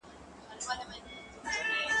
زه به د ښوونځی لپاره امادګي نيولی وي!.